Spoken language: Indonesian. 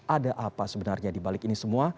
ada apa sebenarnya dibalik ini semua